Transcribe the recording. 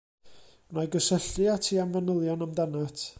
Wna i gysylltu â ti am fanylion amdanat.